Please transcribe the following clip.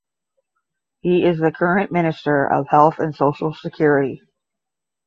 He is the current Minister of Health and Social Security.